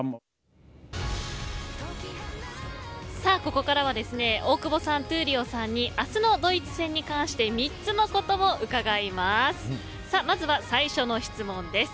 ここからは大久保さん闘莉王さんに明日のドイツ戦に関して３つのことを伺います。